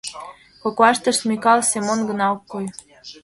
Коклаштышт Микал Семон гына ок кой.